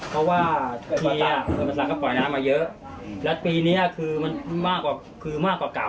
เพราะว่าทีนี้อ่ะมันสรรคปล่อยน้ำมาเยอะแล้วปีนี้คือมันมากกว่าคือมากกว่าเก่า